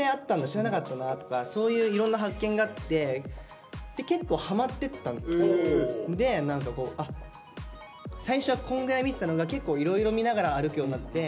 知らなかったなとかそういういろんな発見があって最初はこんぐらい見てたのが結構いろいろ見ながら歩くようになって。